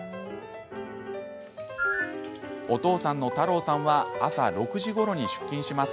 お父さんの太朗さんは朝６時ごろに出勤します。